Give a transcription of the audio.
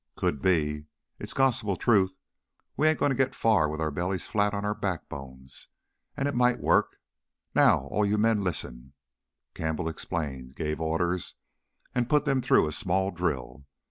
"Could be. It's gospel truth we ain't goin' to get far with our bellies flat on our backbones. And it might work. Now, all of you men, listen...." Campbell explained, gave orders, and put them through a small drill.